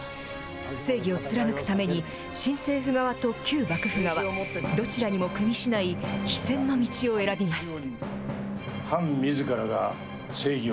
正義を貫くために、新政府側と旧幕府側、どちらにもくみしない非戦の道を選びます。